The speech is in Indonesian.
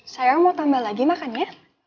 sayang mau tambah lagi makan ya